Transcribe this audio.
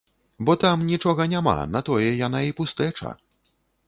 Бо там нічога няма, на тое яна і пустэча.